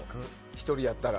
１人やったら。